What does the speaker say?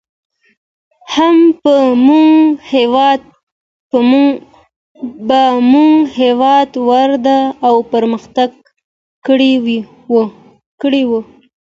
هم به مو هېواد وده او پرمختګ کړى و.